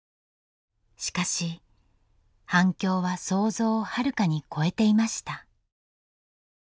しかし反響は想像をはるかに超えていました。